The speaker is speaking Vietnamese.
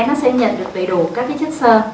nó sẽ nhận được đủ các chất sơ